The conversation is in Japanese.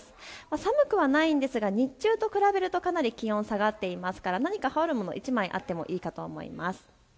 寒くはないですが日中と比べると気温が下がってますから何か羽織るもの１枚あったほうがいいかと思います。